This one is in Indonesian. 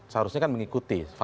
seharusnya kan mengikuti